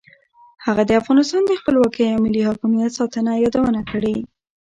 هغه د افغانستان د خپلواکۍ او ملي حاکمیت ساتنه یادونه کړې.